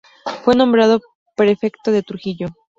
Fue nombrado Prefecto de Trujillo.